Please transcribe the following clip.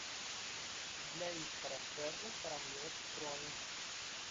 Для іх характэрна сарамлівасць кроны.